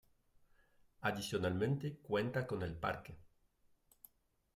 Adicionalmente, cuenta con El Parque.